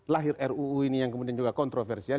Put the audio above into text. lahir ruu ini yang kemudian juga kontroversial